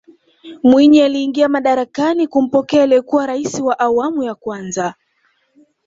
mwinyi aliingia madarakani kumpokea aliyekuwa raisi wa awamu ya kwanza